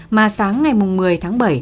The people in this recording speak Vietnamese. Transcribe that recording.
mà sáng ngày một mươi tháng bảy